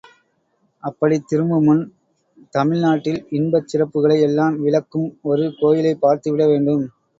அப்படித் திரும்புமுன் தமிழ் நாட்டில் இன்பச் சிறப்புகளை எல்லாம் விளக்கும் ஒரு கோயிலைப் பார்த்து விட வேண்டும்.